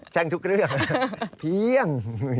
แจ้งทุกเรื่องเพียง